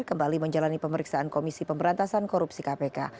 kembali menjalani pemeriksaan komisi pemberantasan korupsi kpk